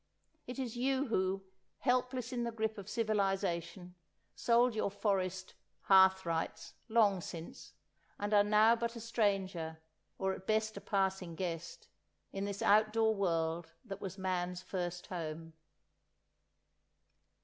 It is you who, helpless in the grip of civilisation, sold your forest "hearth rights" long since, and are now but a stranger, or at best a passing guest, in this out door world that was man's first home.